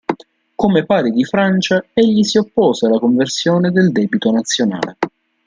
Come pari di Francia, egli si oppose alla conversione del debito nazionale.